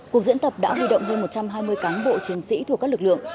cuộc diễn tập đã huy động hơn một trăm hai mươi cán bộ chiến sĩ thuộc các lực lượng